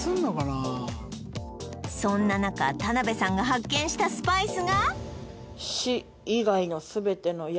そんななか田辺さんが発見したスパイスがええっ